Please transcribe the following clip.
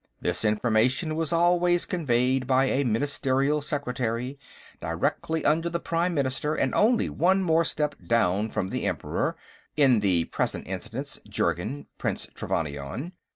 This information was always conveyed by a Ministerial Secretary, directly under the Prime Minister and only one more step down from the Emperor, in the present instance Jurgen, Prince Trevannion.